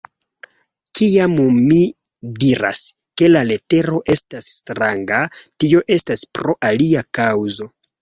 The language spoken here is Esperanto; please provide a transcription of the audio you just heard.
Kiam mi diras, ke la letero estas stranga, tio estas pro alia kaŭzo.